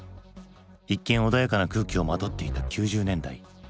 一見穏やかな空気をまとっていた９０年代。